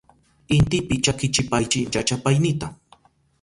Intipi chakichipaychi llachapaynita.